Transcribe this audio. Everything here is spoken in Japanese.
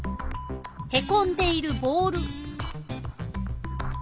へこんでいるボール。